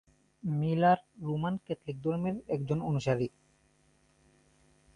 Miller Roman Catholic ধর্মের একজন অনুসারী।